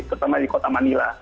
terutama di kota manila